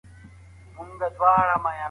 د بېوزلو ږغ څوک نه اوري.